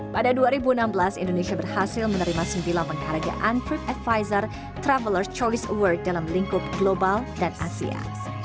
pada dua ribu enam belas indonesia berhasil menerima sembilan penghargaan trip advisor traveler choice award dalam lingkup global dan asia